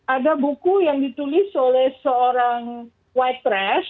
ada buku yang ditulis oleh seorang white press